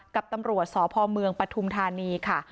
กับตำรวจสพเมืองปฐุมธานีค่ะ